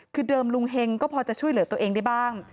คือเดิมลุงเฮงก็พอจะช่วยเหลือตัวเองได้บ้าง